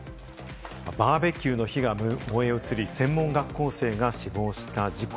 バーベキューの火が燃え移り、専門学校生が死亡した事故。